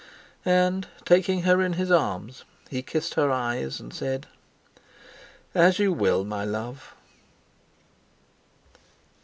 And, taking her in his arms, he kissed her eyes, and said: "As you will, my love."